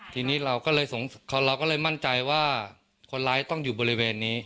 ทีนี้เราก็เลยเราก็เลยมั่นใจว่าคนร้ายต้องอยู่บริเวณนี้